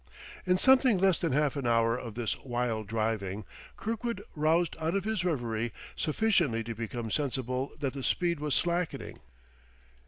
In something less than half an hour of this wild driving, Kirkwood roused out of his reverie sufficiently to become sensible that the speed was slackening.